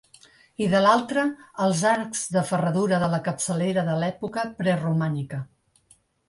I de l'altra, els arcs de ferradura de la capçalera de l'època preromànica.